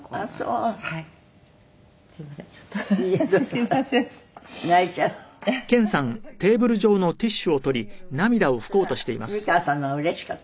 それは美川さんのがうれしかったの？